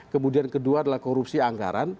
kemudian kedua adalah korupsi anggaran